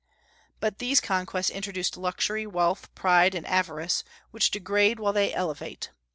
But these conquests introduced luxury, wealth, pride, and avarice, which degrade while they elevate.